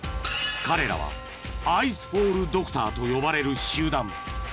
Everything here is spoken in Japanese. ［彼らはアイスフォールドクターと呼ばれる集団］